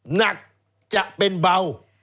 หนักจะเป็นเบา